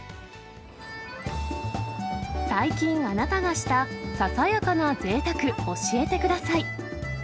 最近、あなたがしたささやかなぜいたく、教えてください。